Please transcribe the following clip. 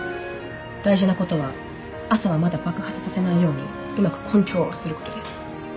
大事なことは朝はまだ爆発させないようにうまくコントロールすることです